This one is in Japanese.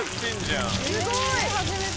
すごい！